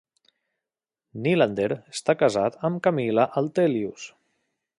Nylander està casat amb Camilla Altelius.